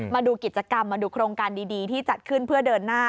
มาดูกิจกรรมมาดูโครงการดีที่จัดขึ้นเพื่อเดินหน้า